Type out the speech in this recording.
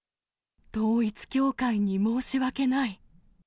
統一教会に申し訳ない。